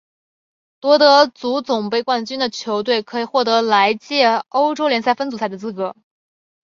夺得足总杯冠军的球队可以获得参加来届欧洲联赛分组赛的资格。